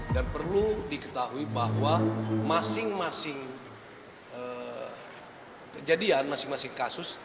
dan perlu diketahui bahwa masing masing kejadian masing masing kasus